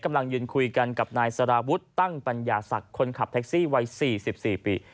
กำลังยืนคุยกันกับนายสารวุฒิตั้งปัญญาศักดิ์คนขับแท็กซี่วัย๔๔ปี